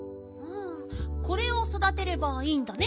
これをそだてればいいんだね。